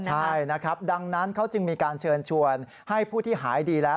ใช่นะครับดังนั้นเขาจึงมีการเชิญชวนให้ผู้ที่หายดีแล้ว